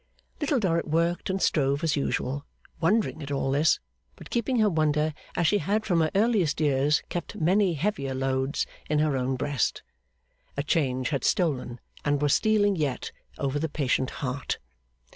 Little Dorrit worked and strove as usual, wondering at all this, but keeping her wonder, as she had from her earliest years kept many heavier loads, in her own breast. A change had stolen, and was stealing yet, over the patient heart.